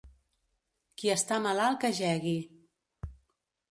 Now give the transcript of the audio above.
Qui està malalt que jegui.